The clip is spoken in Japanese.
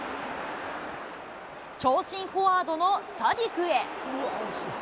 長身フォワードのサディクへ。